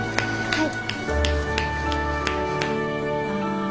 はい。